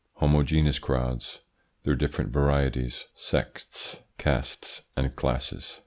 2. HOMOGENEOUS CROWDS. Their different varieties Sects, castes, and classes.